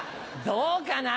どうかな。